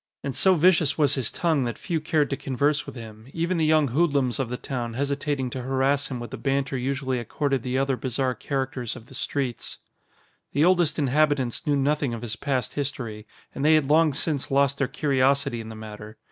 And so vicious was his tongue that few cared to converse with him, even the young hoodlums of the town hesitating to harass him with the banter usually accorded the other bizarre characters of the streets. The oldest inhabitants knew nothing of his past history, and they had long since lost their curiosity in the matter.